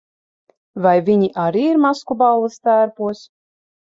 Vai viņi arī ir maskuballes tērpos?